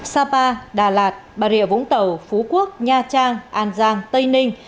sapa đà lạt bà rịa vũng tàu phú quốc nha trang an giang tây ninh